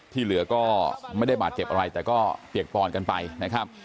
ที่เหลือก็ไม่ได้บาดเจ็บอะไรแต่ก็เปียกปอนกันไปนะครับ